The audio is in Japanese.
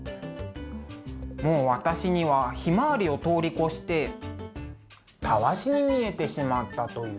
もう私にはひまわりを通り越してタワシに見えてしまったという。